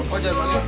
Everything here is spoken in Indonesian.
kok jangan masuk